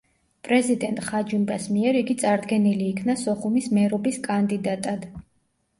პრეზიდენტ ხაჯიმბას მიერ იგი წარდგენილი იქნა სოხუმის მერობის კანდიდატად.